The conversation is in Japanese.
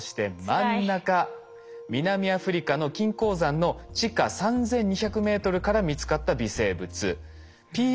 南アフリカの金鉱山の地下３，２００ｍから見つかった微生物。